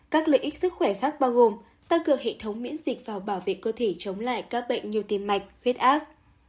các lợi ích sức khỏe khác bao gồm tăng cường hệ thống miễn dịch và bảo vệ cơ thể chống lại các bệnh nhiều tiền mạch huyết ác